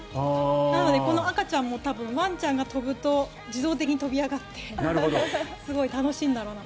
なので、この赤ちゃんも多分、ワンちゃんが跳ぶと自動的に跳び上がってすごく楽しいんだろうなと。